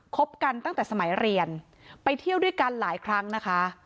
คบกันตั้งแต่สมัยเรียนไปเที่ยวด้วยกันหลายครั้งนะคะ